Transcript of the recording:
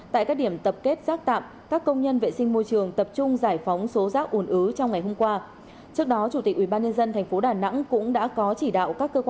tại các điểm tập kết rác tạm các công nhân vệ sinh môi trường tập trung giải phóng số rác ủn ứ trong ngày hôm qua